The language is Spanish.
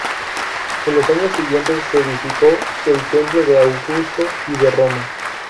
En los años siguientes, se edificó el templo de Augusto y de Roma.